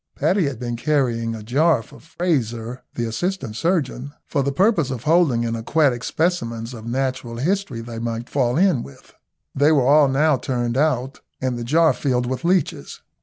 Paddy had been carrying a jar for Frazer, the assistant surgeon, for the purpose of holding any aquatic specimens of natural history they might fall in with. They were all now turned out, and the jar filled with leeches.